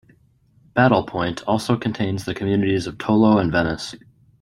Battle Point also contains the communities of Tolo and Venice.